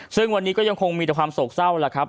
ซึ่งวันนี้ก็ยังคงมีแต่ความโศกเศร้าแล้วครับ